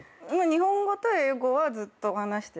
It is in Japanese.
日本語と英語はずっと話してて。